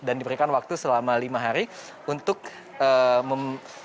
dan diberikan waktu selama lima hari untuk mem